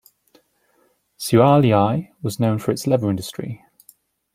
Šiauliai was known for its leather industry.